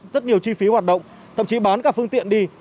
rất nhiều chi phí hoạt động thậm chí bán cả phương tiện đi